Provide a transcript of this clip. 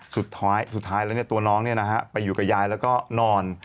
สุดท้ายแล้วเนี่ยตัวน้องเนี่ยนะฮะไปอยู่กับยายแล้วก็นอน